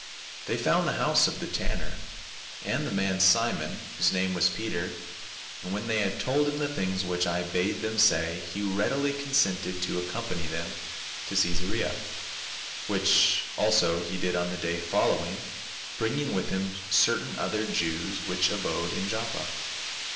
"They found the house of the tanner, and the man Simon, whose surname was Peter, and when they had told him the things which I bade them say, he readily consented to accompany them to Caesarea ; which also he did on the day following, bringing with him certain other Jews which abode in Joppa."